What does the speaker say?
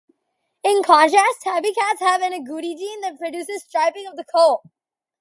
In contrast, "tabby" cats have an agouti gene that produces striping of the coat.